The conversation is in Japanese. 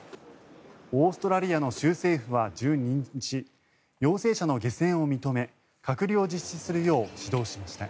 オーストラリアの州政府は１２日陽性者の下船を認め隔離を実施するよう指導しました。